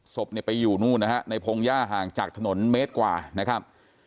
ศพเนี่ยไปอยู่นู่นนะฮะในพงหญ้าห่างจากถนนเมตรกว่านะครับ